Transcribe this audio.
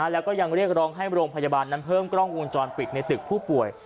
แล้วก็ยังเรียกร้องให้โรงพยาบาลนั้นเพิ่มกล้องวงจรปิดในตึกผู้ป่วย